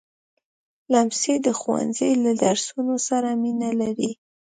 لمسی د ښوونځي له درسونو سره مینه لري.